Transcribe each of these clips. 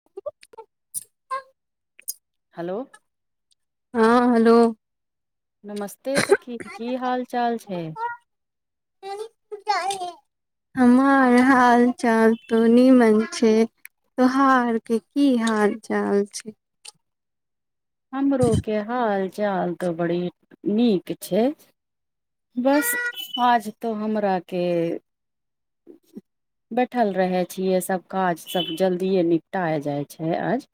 [unintelligible] hello हँ hello नमस्ते सखी की हाल चाल छै हमर हाल चाल तो नीमन छै तोहार के की हाल चाल छै हमरो के हाल चाल तऽ बड़ी नीक छै बस आज तो हमरा के [inaudible] बैठल रहै छियै सभ काज सभ जल्दिए निपटा जाइ छै आज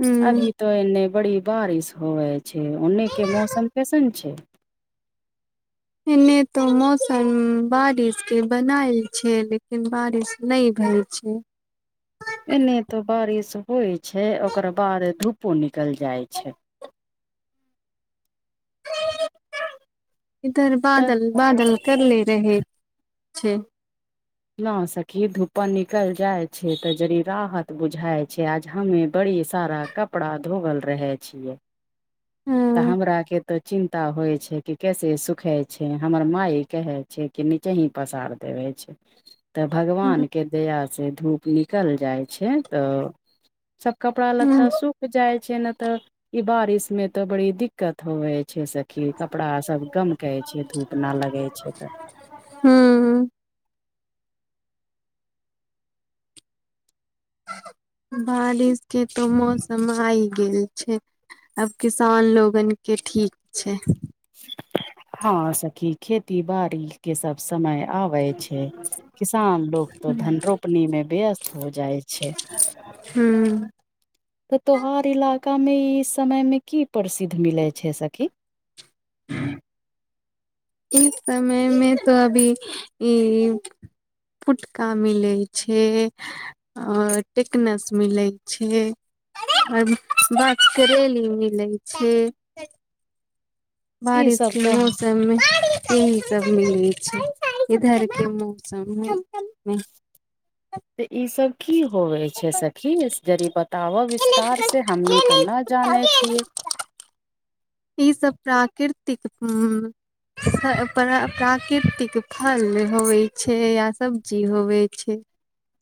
ह अभी तो एन्ने बड़ी बारिष होवै छै ओन्ने के मौसम कैसन छै एन्ने तो मौसम बारिश के बनाएल छियै लेकिन बारिष नहि भइल छै एन्ने तो बारिष होइ छै ओकर बाद धूपो निकल जाय छै इधर तऽ बादल बादल करले रहै छै नऽ सखी धूपा निकलि जाइ छै तऽ जड़ि राहत बुझाय छै आज हम्मे बड़ी सारा कपड़ा धोगल रहै छियै तऽ ह हमरा के तऽ चिन्ता होय छै कि कैसे सुखे छै हमर माय कहे छै कि नीचे ही पसार देवे छै [inaudible] तऽ भगवानके दयासँ धूप निकलि जाइ छै तऽ सब कपड़ा लत्ता सूख जाय छै ने तऽ ई बारिषमे तऽ बड़ी दिक्कत होवे छै सखी कपड़ा सब गमकै छै धूप न लगे छै तऽ हुँ बारिश के तो मौसम समाय गेल छै आब किसान लोगन के ठीक छै हँ सखी खेती बाड़ी के सब समय आबै छै किसान लोग तो धन रोपनी मे व्यस्त हो जाय छै हूँ तऽ तोहार इलाका मे ई समय मे की प्रसिद्ध मिले छै सखी इस समयमे तो अभी ई फुटका मिलै छै आ टेकनस मिलै छै आ बात करेली मिलै छै ई सब बारिशके तो मौसममे इहे सब मिले छै इधर के मौसम मे नहि से ई सब की होवे छै सखी जड़ि बताब विस्तार से हमनी तऽ न जानै छियै ई सब प्राकृतिक प्राकृतिक फल होवै छै या सब्जी होवै छै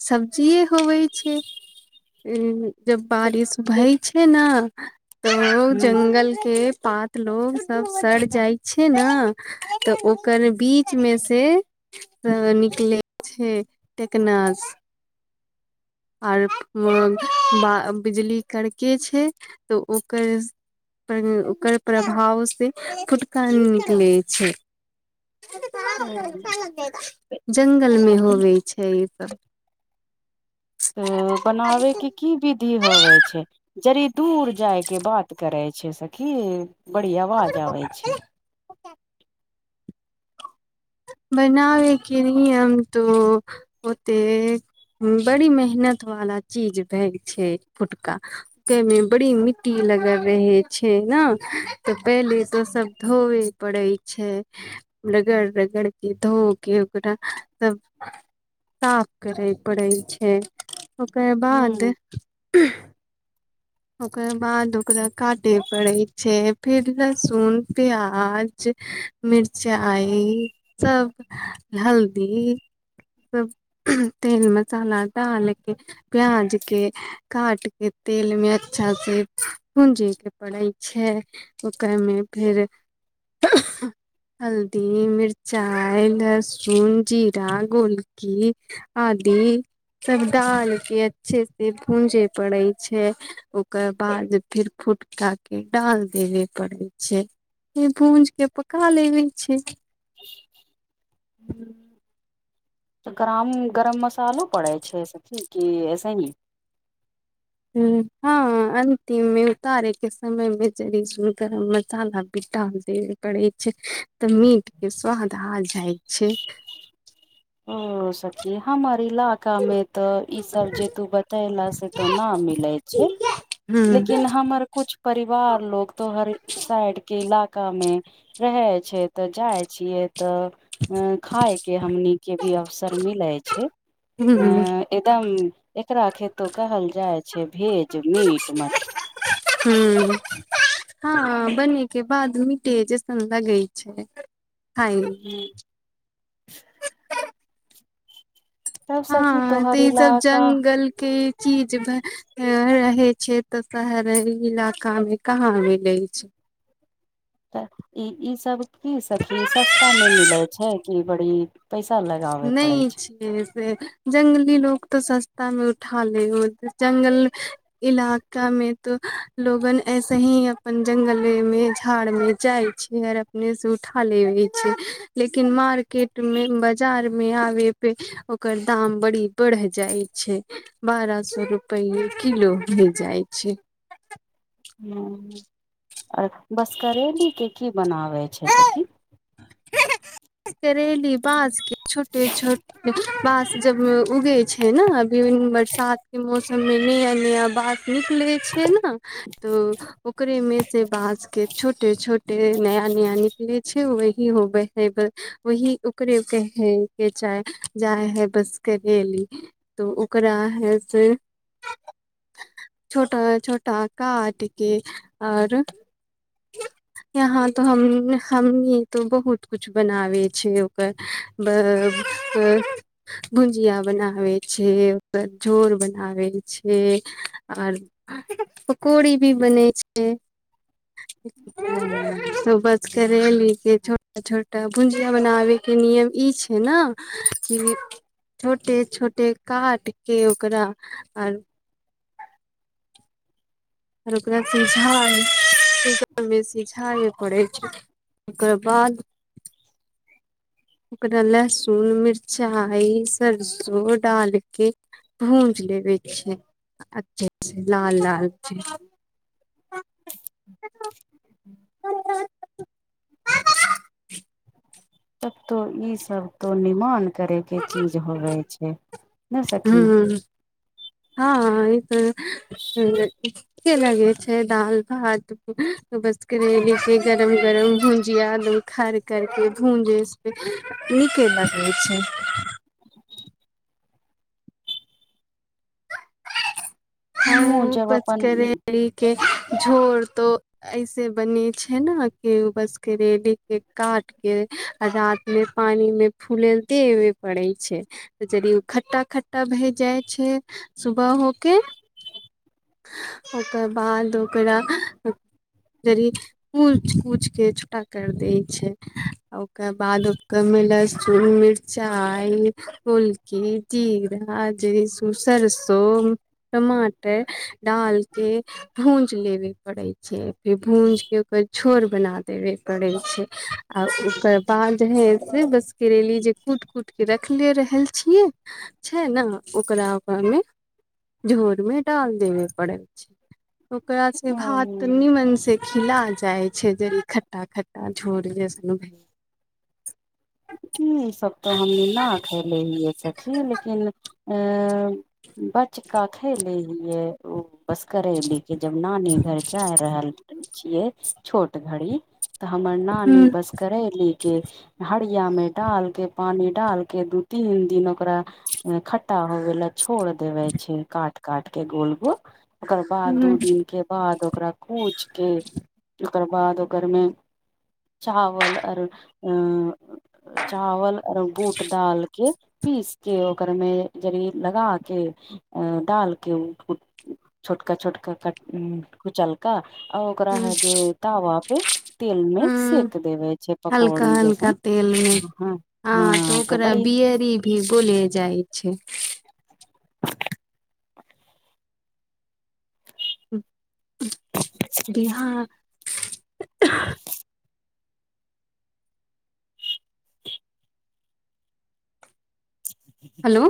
सब्जीए होबै छै उ जब तऽ बारिश भय छै नऽ तऽ उ ह जंगल के पात लोग सब सड़ जाइ छै नऽ तऽ ओकर बीच बीच मे से निकले छै टेकनास आर ब बिजली करके छै तऽ ओकर ओकर प्रभावसँ फुटका निकलै छै हँ जगल मे होवे छै ई सब त बनाबे के की बी ई होवे छै जड़ि दूर जाइ के बात करै छै सखी बड़ी आवाज आबै छै बनाबेके नहि हम तो ओते बड़ी मेहनत वाला चीज भाग छै फुटका ओते मे बड़ी मिट्टी लगल रहे छै नऽ तऽ पहिले त ओ सब धोवे पड़ै छै रगड़ रगड़ के धोऽ के ओकरा सब साफ करै पड़ै छै ओकर ह बाद [unintelligible] ओकर बाद ओकरा कटे पड़ै छै फिर लहसुन प्याज मिर्चाइ सब हल्दी सब तेल मसाला डालके प्याजके काट के तेल मे अच्छा से भुजे के पड़ै छै ओकरमे फेर हल्दी मिर्च चाय लसुन जीरा गोलकी आदि सब डाल के अच्छे से भूजे पड़ै छै ओकर बाद फिर फुटका के डाल देबे पड़ै छै भूज के पका लेबेय छै [inaudible] त गराम गरम मसालो पड़ै छै सखी की ऐसेही हुँ हँ अंतिम मे उतारे के समय मे जड़ि गरम मसाला बटा देब पड़ै छै तऽ मीट के स्वाद आ जाइत छै ओ सखी हमर इलाका में ते इ सब जे तू बतेल से तो न मिले छै हूँ लेकिन हमर कुछ परिवार लोग तो हर साइड के इला का मे रहे छै तऽ जाइ छियै तऽ खाय के हमनी के भी अवसर मिलै छै हूँ अ हूँ एकदम एकरा खेतो कहल जाइ छै भेज मीट मछ हुम्म हँ बने के बाद मीटे जैसन लगै छै हें [unintelligible] [inaudible] तब सखी हँ तऽ तोहर ई सब इलाका जंगल के चीज रहे छै तऽ शहरी इलाकामे कहाँ मिलै छै तऽ ई ई सब की सखी सस्ता मे मिलै छै कि बड़ी पैसा लगाबे पड़ै नहि छै छी जंगली लोक तो सस्तामे उठा ले ओ जंगल इलाकामे तो लोगन ऐसे ही अपन जंगलेमे झाड़मे जाय अपने से उठा लेवे छै लेकिन मार्केटमे बाजार मे आबे पे ओकर दाम बड़ी बढ़ जाय छै बारह सौ रुपैये किलो भे जाइ छै हम्म आओर बस करेलीके की बनाबै छै सखी [inaudible] करेली बाँस के छोटे छोटे बाँस जब उगे छै है न अभी बरसात के मौसममे नया नया बाँस निकलै छियै ने तऽ ओकरेमे से बाँसके छोटे छोटे नया नया निकले छै वही होबे हय वही उकरे कहै छै चाहे जाए हय बस करेली तऽ ओकरा हय से छोटा छोटा काटिके आओर यहाँ तऽ हम हमनी तो बहुत कुछ बनाबै छियै ओकर बर [unintelligible] भुजिया बनाबै छियै ओकर झोर बनाबैत छियै आओर पकौड़ी भी बनै छै ह सभ बस करैेलीे के छोटा छोटा भुजिया बनाबैके नियम ई छै ने छोटे छोटे काट के ओकरा आर आर ओकरा सिझाइमे सिझाबे पड़ै छै ओकर बाद ओकरा लहसुन मिरचाइ सरसो डालके भूंजि लेबै छियै अच्छे से लाल लाल छै तब तो ई सब तो निमान करै के चीज होवै छै ने सखी हँ हँ ई तऽ नीके लगै छै दालि भात बस करेली के गरम गरम भुजिया खर करके भूँजैसे नीके लगै छै हमहुँ हँ जब बच अपन करेली के झोर तो ऐसे बने छै ने के उ बस करेली के काट के आ रात मे पानीमे फूलैते हे पड़े छै तऽ जब ओ खट्टा खट्टा भय जाइ छै सुबह होके ओकर बाद ओकरा कुच कुचि के छोटा करि दै छै आ ओकर बाद ओकरमे लहसुन मिरचाइ गोलकी जीरा जनिसू सरसो टमाटर डालके भूंजि लेबय पड़ैत छै फेर भूजि कऽ ओकर झोर बना देबय पड़ैत छै आ ओकर बाद हे से बस करेली जे कूटि कूटि के रखले रहल छियै छै ने ओकरा ओकरा मे झोर मे टाल देबे पड़ै छै ओक से भात नमन से खिला जाय छै जड़ी खट्टा खटटा झोर जेस ई सब तऽ हम ना खैले हे हिए सखी लेकिन बच का खेले हिये ओ बस करैली के जब नानी घर जा रहल छिये छोट घड़ी तऽ हमर नानी बस करैली के हड़िया मे डाल के पानी डालके दू तीन दिन ओकरा खट्टा होवे ले छोर देवे छै काट काट के गोल गोल ओकर बाद दू दिन के बाद ओकरा कुच के ओकर बाद ओकर मे चावल आर चावल आर बूट दाल के पीस के ओकर मे जड़ लगा के अ डालके छोटका छोटका क कुचल क आ ओकरा है जे तावा पे तिलमे ह सेेक देबै छैे हल्का पकौड़ी हल्का जैसन तेल मे हँ ह तऽ हँ ओकरा बड़ी बयरी भी बोले जाइ छै रिहा हेलो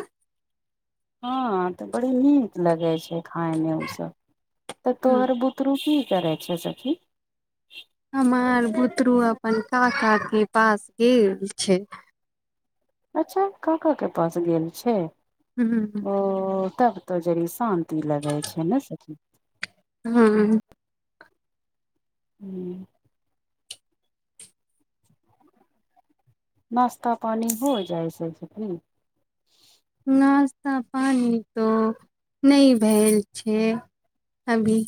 हँ तऽ बड़ी नीक लगे छै खााय मे उ सब तऽ तोहर बु तुरु कि करै छै सखी हमार बुतरू अपन काका के पास गेल छै अच्छा काका के पास गेल छै हू हूँ ओ तब तो जड़ी शान्ति लगे छै ने सखी हँ हूँ नास्ता पानी हो जाइ छै की नश्ता पानी तो नहि भेल छै अभी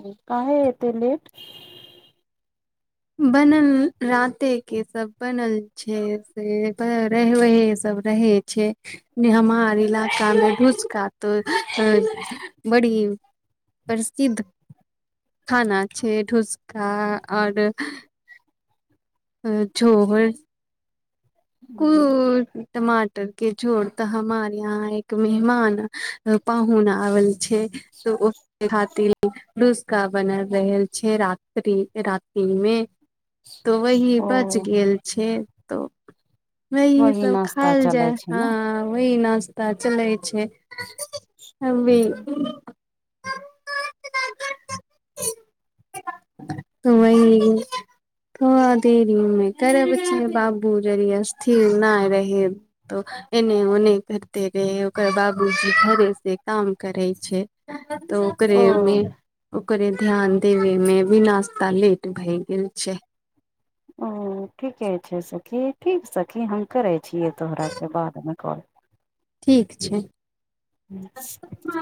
ह काहे एतै लेट बनल राते के सब बनल छै सेह सब रहै छै हमार इलाका मे भुसका तऽ बड़ी प्रसिद्ध खाना छै डुसका आओर अ झोर कू टमा टर के झोड़ तऽ हमार यहा एक मेहमान पाहुन आवल छै तऽ ओ खतिर ढूस्का बना रहल छै राति रााति मे तो वही ओ बच गेल छै तऽ वही सब नास्ता खायल जाय चलै छै ह ने वहि नाश्त चलै छै हम भी त वही थोड़ा देरी मे करब बाबु पुजेर स्थिर नाय रहब एने ओने करते रहै ओकर बाबूजी घरे सँ काम करै छै तऽ ओकरे ओ मे ओकरे ध्यान देवे मे भी नाास्ता लेट भए गेल छै ओ ठीके छै सखी ठीक सखी हम करै छियै तोहराके बादमे कॉल ठीक छै [unintelligible]